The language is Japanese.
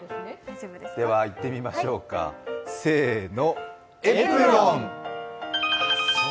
ではいってみましょうか、せーの。